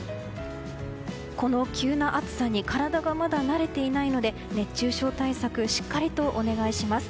この急な暑さに体がまだ慣れていないので熱中症対策しっかりとお願いします。